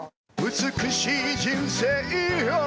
「美しい人生よ」